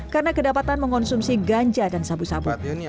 karena kedapatan mengonsumsi ganja dan sabu sabu